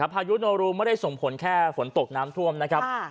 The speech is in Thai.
พายุโนรูไม่ได้ส่งผลแค่ฝนตกน้ำท่วมนะครับ